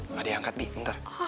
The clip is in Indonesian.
nggak diangkat bi bentar